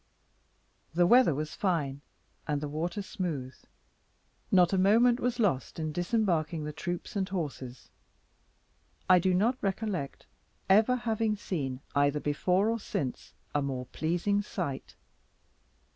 The weather was fine, and the water smooth; not a moment was lost in disembarking the troops and horses; and I do not recollect ever having seen, either before or since, a more pleasing sight.